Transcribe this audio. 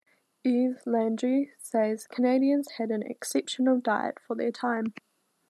Yves Landry says, Canadians had an exceptional diet for their time.